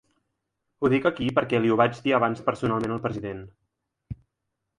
Ho dic aquí perquè li ho vaig dir abans personalment al president.